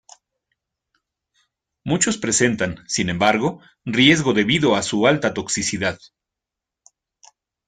Muchos presentan sin embargo riesgo debido a su alta toxicidad.